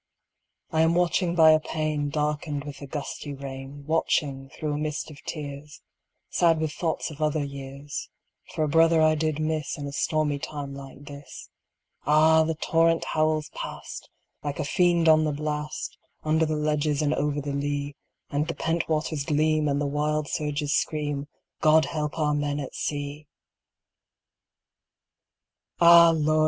I am watching by a pane Darkened with the gusty rain, Watching, through a mist of tears, Sad with thoughts of other years, For a brother I did miss In a stormy time like this. Ah! the torrent howls past, like a fiend on the blast, Under the ledges and over the lea; And the pent waters gleam, and the wild surges scream God help our men at sea! Ah, Lord!